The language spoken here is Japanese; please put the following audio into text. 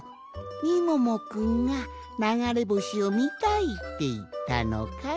みももくんがながれぼしをみたいっていったのかい？